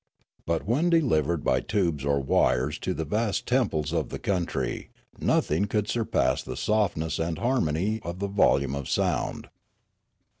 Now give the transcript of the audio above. But when delivered by tubes or wires into the vast temples of the country, nothing could surpass the softness and har mony of the volume of sound.